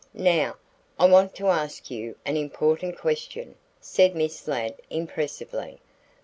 "Now, I want to ask you an important question," said Miss Ladd impressively.